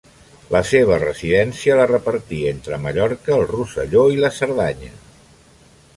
La seva residència la repartí entre Mallorca, el Rosselló i la Cerdanya.